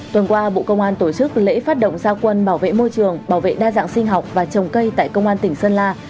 tuần qua bộ công an tổ chức lễ phát động gia quân bảo vệ môi trường bảo vệ đa dạng sinh học và trồng cây tại công an tỉnh sơn la